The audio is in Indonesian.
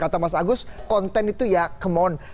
kata mas agus konten itu ya kemon